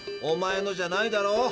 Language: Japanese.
おまえのじゃないだろ？